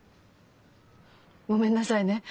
ごめんなさいね。